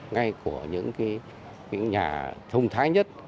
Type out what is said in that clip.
ngay của những nhà thông thái nhất